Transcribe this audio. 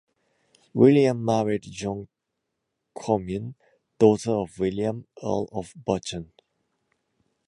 William married Jean Comyn, daughter of William, Earl of Buchan.